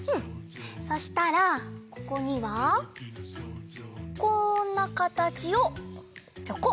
そしたらここにはこんなかたちをぴょこ！